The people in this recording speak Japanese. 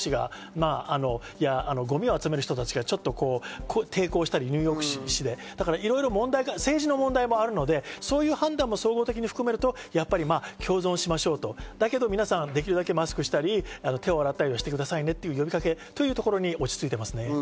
ゴミを集める人たちが抵抗したりニューヨーク市で、いろいろ政治の問題もあるので総合的に含めると、共存しましょうとできるだけ皆さんマスクをしたり手を洗ったりはしてくださいねっていう呼びかけというところに落ち着いています。